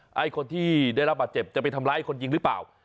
ให้คนที่ได้รับบาดเจ็บจะไปทำร้ายคนยิงหรือเปล่า